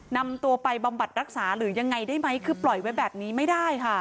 นำตัวไปบำบัดรักษาหรือยังไงได้ไหมคือปล่อยไว้แบบนี้ไม่ได้ค่ะ